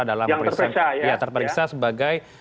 dalam perisian terperiksa sebagai